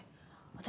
私